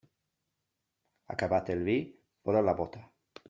Acabat el vi, fora la bóta.